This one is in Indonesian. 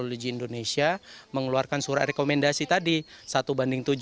teknologi indonesia mengeluarkan surat rekomendasi tadi satu banding tujuh